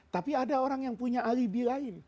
tapi ada orang yang punya alibi lain